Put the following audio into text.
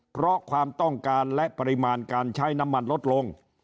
เพราะความต้องการและปริมาณการใช้น้ำมันลดลง